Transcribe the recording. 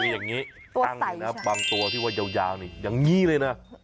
คืออย่างนี้ตั้งเลยนะบางตัวที่ว่ายาวนี่อย่างนี้เลยนะ